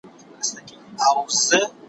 بيزو وان يې پر تخت كښېناوه پاچا سو